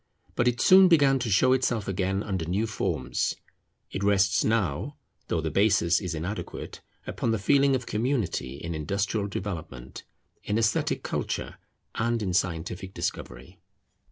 But it soon began to show itself again under new forms. It rests now, though the basis is inadequate, upon the feeling of community in industrial development, in esthetic culture, and in scientific discovery.